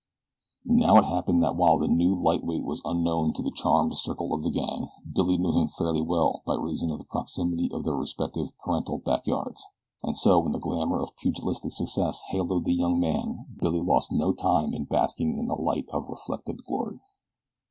Now it happened that while the new light weight was unknown to the charmed circle of the gang, Billy knew him fairly well by reason of the proximity of their respective parental back yards, and so when the glamour of pugilistic success haloed the young man Billy lost no time in basking in the light of reflected glory.